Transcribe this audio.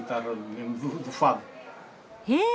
へえ。